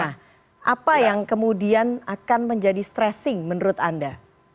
nah apa yang kemudian akan menjadi stressing menurut anda